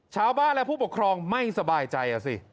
ชาวบ้านและผู้ปกครองไม่สบายใจอ่ะสิ